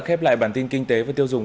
khép lại bản tin kinh tế và tiêu dùng